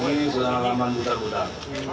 oh ini seorang ramlan putar putar